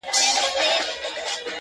یو کارګه وو څه پنیر یې وو غلا کړی،